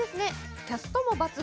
キャストも抜群。